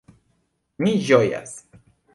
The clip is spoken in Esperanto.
Mi ĝojas.